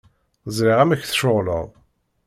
Ẓriɣ amek tceɣleḍ.